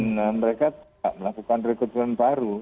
nah mereka tidak melakukan rekrutmen baru